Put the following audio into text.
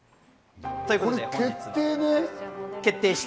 これで決定で？